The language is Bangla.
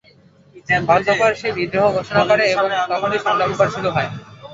অতঃপর সে বিদ্রোহ ঘোষণা করে এবং তখনই সংগ্রাম শুরু হয়।